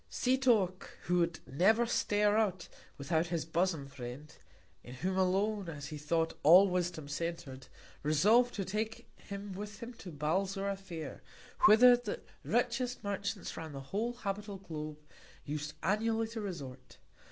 _ Setoc, who would never stir out without his Bosom Friend (in whom alone, as he thought, all Wisdom center'd) resolv'd to take him with him to Balzora Fair, whither the richest Merchants round the whole habitable Globe, us'd annually to resort.